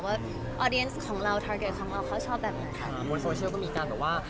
ว่าตำกัดต่อได้ของเราแบบมุมโซเชียลก็มีการกลุ่มฟังว่า